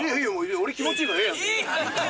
・俺気持ちええからええやん。